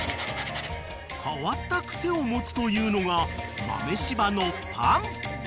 ［変わったクセを持つというのが豆柴のパン］